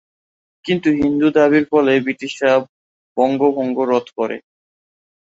কিন্তু হিন্দু দাবীর ফলে ব্রিটিশরা বঙ্গভঙ্গ রদ করে।